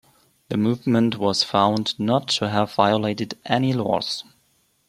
The movement was found not to have violated any laws.